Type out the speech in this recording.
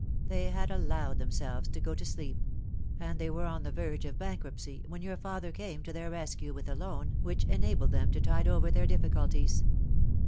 They had allowed themselves to go to sleep ; and they were on the verge of bankruptcy when your father came to their rescue with a loan which enabled them to tide over their difficulties.